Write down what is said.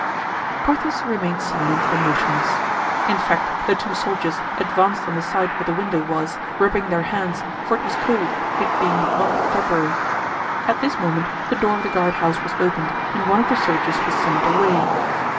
Porthos remained silent and motionless. In fact, the two soldiers advanced on the side where the window was, rubbing their hands, for it was cold, it being the month of February. At this moment the door of the guardhouse was opened and one of the soldiers was summoned away.